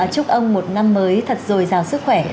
chúc ông một năm mới thật dồi dào sức khỏe